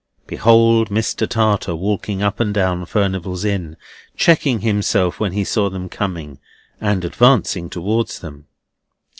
Behold Mr. Tartar walking up and down Furnival's Inn, checking himself when he saw them coming, and advancing towards them!